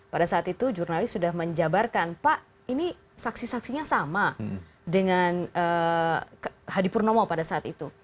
pada saat itu jurnalis sudah menjabarkan pak ini saksi saksinya sama dengan hadi purnomo pada saat itu